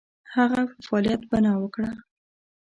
هغه په فعالیت بناء وکړه.